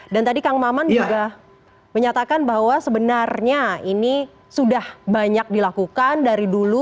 dan tadi kang maman juga menyatakan bahwa sebenarnya ini sudah banyak dilakukan dari dulu